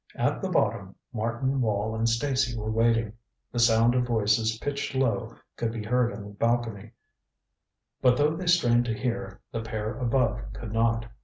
At the bottom, Martin Wall and Stacy were waiting. The sound of voices pitched low could be heard on the balcony, but though they strained to hear, the pair above could not.